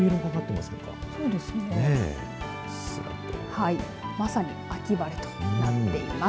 まさに秋晴れとなっています。